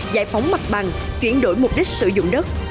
giải phóng mặt bằng chuyển đổi mục đích sử dụng đất